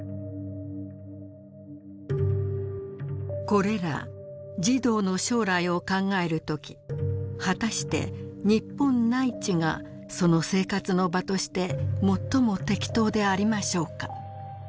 「これら児童の将来を考えるとき果たして日本内地がその生活の場として最も適当でありましょうか」。